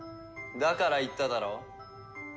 だから言っただろ？